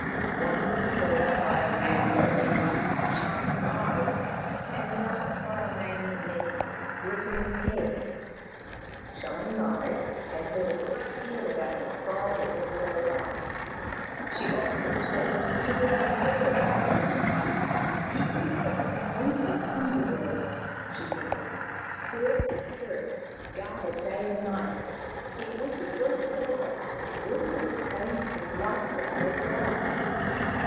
One was called by a name that meant Shining Eyes, and the other by a name that meant Rippling Hair. Shining Eyes had heard a great deal about the Fire that never goes out. She often talked to Rippling Hair about it. " It is kept in one of the underworlds," she said. " Fierce spirits guard it day and night. If we could bring it away we should obtain the Life that never dies.